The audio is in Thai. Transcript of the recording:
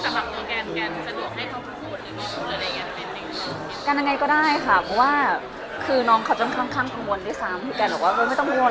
แต่ในที่เคยงานกันประมาณแบบนี้สะดวกได้เค้าคิดสูญทึ่งเรื่องเที่ยงในสูญอะไรอย่างนั้นเป็นยังไง